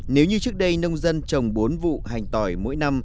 nếu như trước đây nông dân trồng bốn vụ hành tỏi mỗi năm